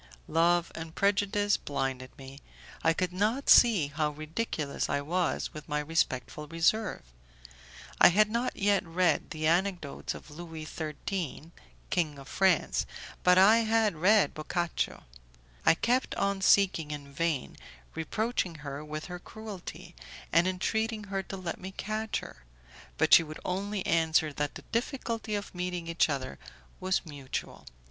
Love and prejudice blinded me, I could not see how ridiculous I was with my respectful reserve. I had not yet read the anecdotes of Louis XIII, king of France, but I had read Boccacio. I kept on seeking in vain, reproaching her with her cruelty, and entreating her to let me catch her; but she would only answer that the difficulty of meeting each other was mutual.